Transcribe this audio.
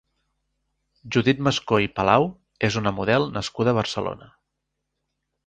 Judit Mascó i Palau és una model nascuda a Barcelona.